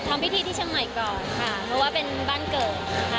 ทำพิธีที่เชียงใหม่ก่อนค่ะเพราะว่าเป็นบ้านเกิดนะคะ